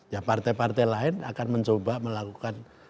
ya partai partai lain akan mencoba melakukan